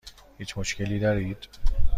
هیچ مشکلی دارید؟